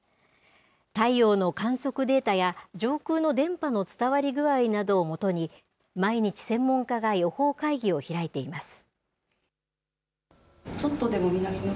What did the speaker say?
太陽の観測データや上空の電波の伝わり具合などをもとに、毎日専門家が予報会議を開いています。